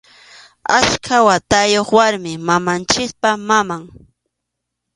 Achka watayuq warmi, mamanchikpa maman.